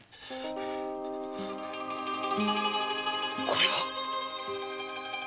これは！？